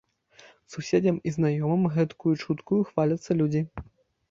Суседзям і знаёмым гэткаю чуткаю хваляцца людзі.